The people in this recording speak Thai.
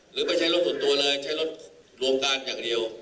ไม่ใช่รถส่วนตัวเลยใช้รถรวมการอย่างเดียว